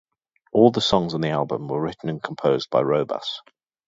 All the songs on the album were written and composed by Robas.